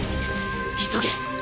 急げ！